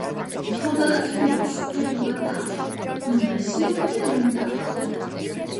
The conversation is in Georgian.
თოვდა და თბილის ებურა თალხი დუმდა სიონი და დუმდა ხალხი